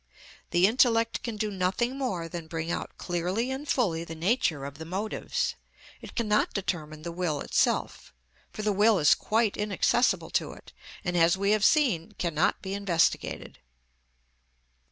The intellect can do nothing more than bring out clearly and fully the nature of the motives; it cannot determine the will itself; for the will is quite inaccessible to it, and, as we have seen, cannot be investigated.